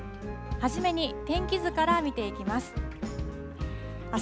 初めに天気図から見ていきます。